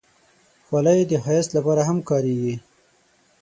خولۍ د ښایست لپاره هم کارېږي.